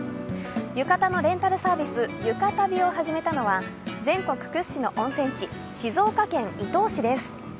浴衣のレンタルサービス、ゆかたびを始めたのは全国屈指の温泉地、静岡県伊東市です。